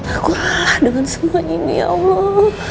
aku lelah dengan semua ini ya allah